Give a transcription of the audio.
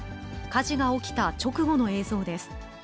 火事が起きた直後の映像です。